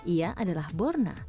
ia adalah borna